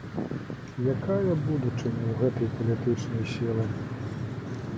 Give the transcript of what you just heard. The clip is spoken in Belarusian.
Якая будучыня ў гэтай палітычнай сілы?